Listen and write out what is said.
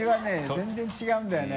全然違うんだよね。